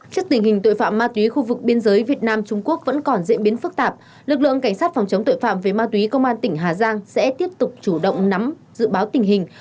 trước tình hình tội phạm ma túy khu vực biên giới việt nam trung quốc vẫn còn diễn biến phức tạp lực lượng cảnh sát phòng chống tội phạm về ma túy công an tỉnh hà giang sẽ tiếp tục chủ động nắm dự báo tình hình